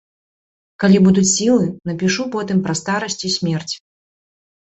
Калі будуць сілы, напішу потым пра старасць і смерць.